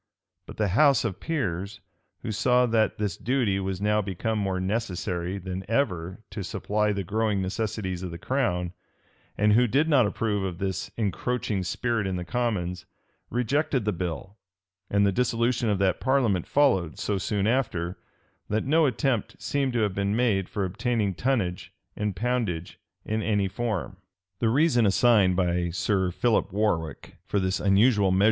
[] But the house of peers, who saw that this duty was now become more necessary than ever to supply the growing necessities of the crown, and who did not approve of this encroaching spirit in the commons, rejected the bill; and the dissolution of that parliament followed so soon after, that no attempt seems to have been made for obtaining tonnage and poundage in any other form.[] * 6 Henry VIII. cap. 14. Journ. 5th July, 1625.